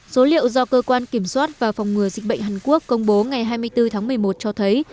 số liệu do cơ quan kiểm soát và phòng ngừa dịch bệnh hàn quốc công bố ngày hai mươi bốn tháng một mươi một cho thấy